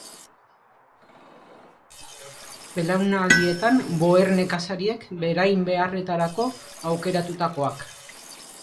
Belaunaldietan Boer nekazariek berain beharretarako aukeratutakoak.